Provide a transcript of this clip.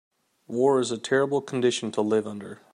War is a terrible condition to live under.